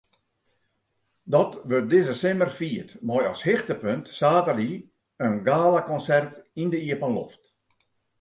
Dat wurdt dizze simmer fierd mei as hichtepunt saterdei in galakonsert yn de iepenloft.